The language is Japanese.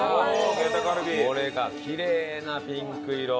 これがキレイなピンク色。